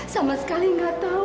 sama sekali nggak tahu